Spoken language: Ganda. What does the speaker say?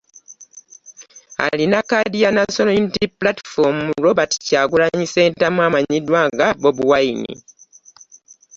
Alina kkaadi ya National Unity Platform, Robert Kyagulanyi Ssentamu amanyiddwa nga Bobi Wine